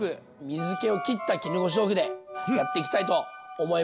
水けを切った絹ごし豆腐でやっていきたいと思います。